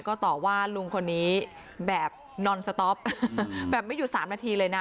ก็ต่อว่าลุงคนนี้แบบนอนสต๊อปแบบไม่อยู่๓นาทีเลยนะ